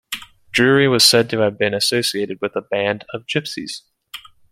Drury was said to have been associated with a band of gypsies.